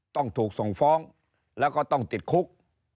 ต้องถูกส่งฟ้องแล้วก็ต้องติดคุก